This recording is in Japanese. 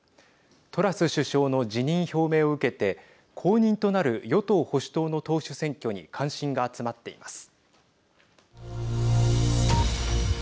トラス首相の辞任表明を受けて後任となる与党・保守党の党首選挙に関心が集まっています。